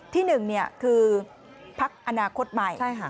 ที่หนึ่งคือพักอนาคตใหม่